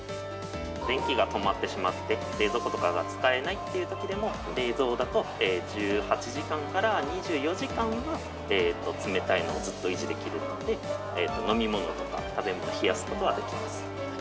電気が止まってしまって、冷蔵庫とかが使えないっていうときでも、冷蔵だと１８時間から２４時間は冷たいのをずっと維持できるので、飲み物とか食べ物を冷やすことができます。